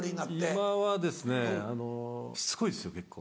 今はしつこいですよ結構。